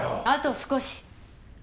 あと少し。